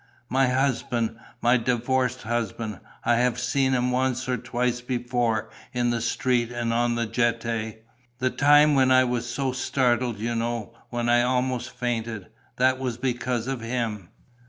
My husband. My divorced husband. I had seen him once or twice before, in the street and on the Jetée. The time when I was so startled, you know, when I almost fainted: that was because of him.